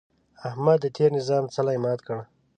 احمد د تېر نظام څلی مات کړ.